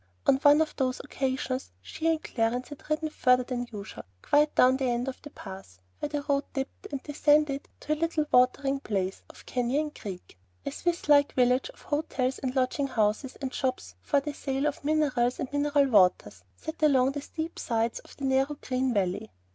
On one of these occasions she and Clarence had ridden farther than usual, quite down to the end of the pass, where the road dipped, and descended to the little watering place of Canyon Creek, a Swiss like village of hotels and lodging houses and shops for the sale of minerals and mineral waters, set along the steep sides of a narrow green valley.